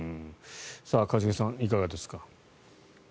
一茂さん、いかがですか？